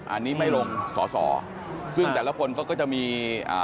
อันนี้ไม่ลงสอซึ่งแต่ละคนก็จะมี